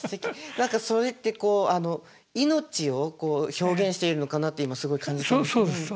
何かそれって命を表現しているのかなって今すごい感じたんですけど。